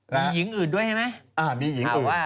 มีหญิงอื่นด้วยใช่ไหม